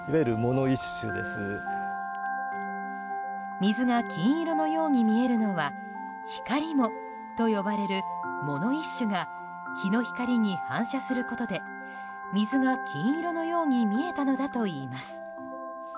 水が金色のように見えるのはヒカリモと呼ばれる藻の一種が日の光に反射することで水が金色のように見えたのだといいます。